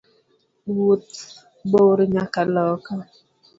Wuoth bor nyaka loka.